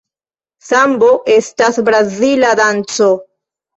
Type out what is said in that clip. Sambo estas brazila danco.